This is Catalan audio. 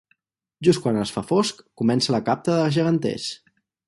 Just quan es fa fosc, comença la capta de geganters.